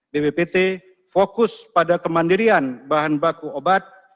bppt fokus pada kemandirian bahan baku obat